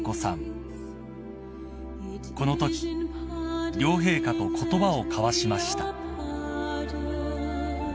［このとき両陛下と言葉を交わしました］